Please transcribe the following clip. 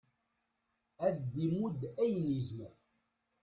ad d-imudd ayen yezmer